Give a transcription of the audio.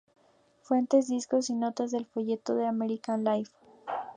Fuentes: Discogs y notas del folleto de "American Life".